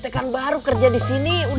apa yang saya mau kasih